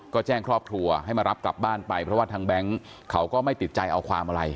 ก็แจ้งครอบครัวให้มารับกลับบ้านไปเพราะว่าทางแบงค์เขาก็ไม่ติดใจเอาความอะไร